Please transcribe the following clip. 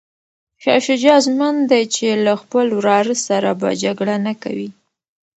شاه شجاع ژمن دی چي له خپل وراره سره به جګړه نه کوي.